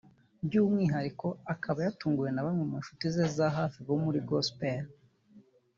by’umwuhariko akaba yatunguwe na bamwe mu nshuti ze za hafi bo muri Gospel